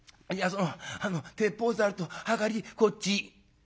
そのあの鉄砲ざるとはかりこっち」。